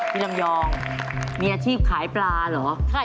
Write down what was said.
นี่ลำยองมีอาทิตย์ขายปลาเหรอ